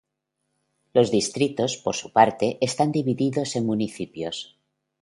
Los distritos, por su parte, están divididos en municipios.